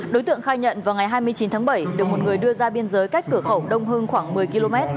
đối tượng khai nhận vào ngày hai mươi chín tháng bảy được một người đưa ra biên giới cách cửa khẩu đông hưng khoảng một mươi km